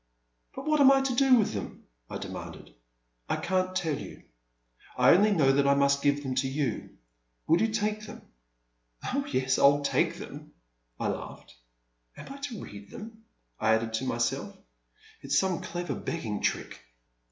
'' But what am I to do with them?*' I de manded. *' I can*t tell you ; I only know that I must give them to you. Will you take them ?'' Oh, yes, I *11 take them, I laughed, am I to read them ?*' I added to myself, *' It *s some clever begging trick.